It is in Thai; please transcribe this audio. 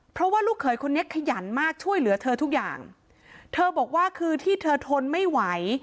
เพราะว่าลูกเขยคนนี้ขยันมากช่วยเหลือเธอทุกอย่างเธอบอกว่าคือที่เธอทนไม่ไหว